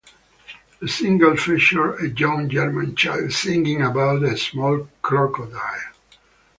The single featured a young German child singing about a small crocodile.